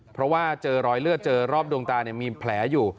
เพราะว่าเจอรอยเลือดเจอรอบดวงตามีแผลอยู่